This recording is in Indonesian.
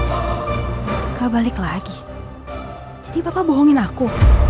gak balik lagi jadi bapak bohongin aku